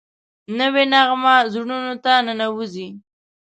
نوې نغمه زړونو ته ننوځي